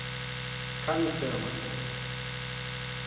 Canutama